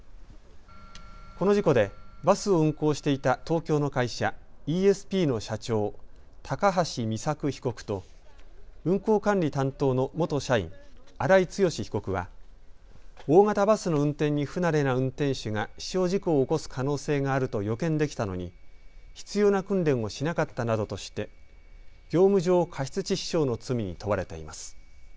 この事故でバスを運行していた東京の会社、イーエスピーの社長、高橋美作被告と運行管理担当の元社員、荒井強被告は大型バスの運転に不慣れな運転手が死傷事故を起こす可能性があると予見できたのに必要な訓練をしなかったなどとして業務上過失致死傷の罪に問われています。